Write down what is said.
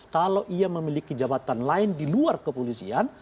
kalau ia memiliki jabatan lain di luar kepolisian